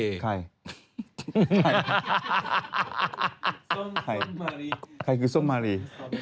ส้มมารีใครคือส้มมารี